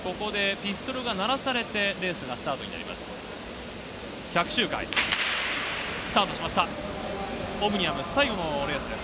ピストルが鳴らされてレースがスタートになります。